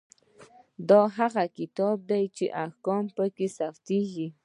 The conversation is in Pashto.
دا هغه کتاب دی چې احکام پکې ثبتیږي.